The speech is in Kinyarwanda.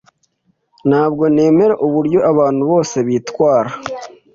Ntabwo nemera uburyo abantu bose bitwara.